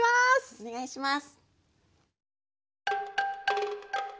お願いします。